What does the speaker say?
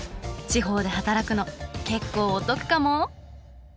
地方で働くの結構お得かも！？